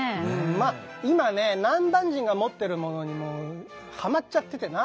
まあ今ね南蛮人が持ってるものにもうハマっちゃっててな。